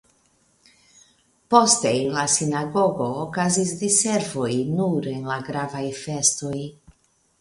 Poste en la sinagogo okazis diservoj nur en la gravaj festoj.